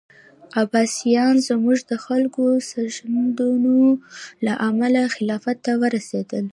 عباسیان زموږ د خلکو سرښندنو له امله خلافت ته ورسېدل.